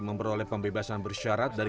memperoleh pembebasan bersyarat dari